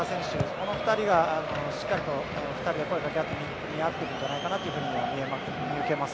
この２人がしっかりと声をかけ合って見合ってるんじゃないかなと見受けられます。